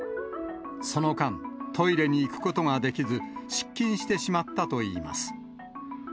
その間、トイレに行くことができず、失禁してしまったといいます。